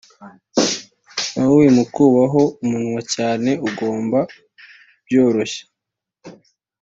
wowe wimukubaho umunwa cyane ugomba kubyoroshya